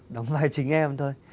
đóng vai chính em thôi